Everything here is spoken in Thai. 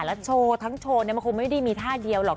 และทั้งโชว์นี้มันคงไม่ได้มีท่าเดียวหรอก